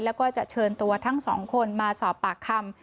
แล้วก็จะเชิญตัวทั้งสองคนมาสอบปากคำ